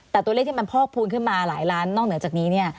แต่ตัวเลขที่มันพอกพูนขึ้นมาหลายล้านนอกเหนือจากนี้เนี่ย